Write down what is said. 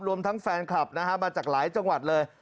รวมทั้งแฟนคลับนะฮะมาจากหลายจังหวัดเลย